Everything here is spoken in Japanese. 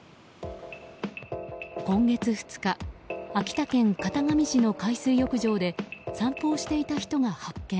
今月２日秋田県潟上市の海水浴場で散歩をしていた人が発見。